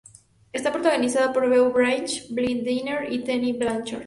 Está protagonizada por Beau Bridges, Blythe Danner y Tammy Blanchard.